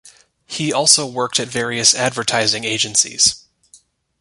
He also worked at various advertising agencies.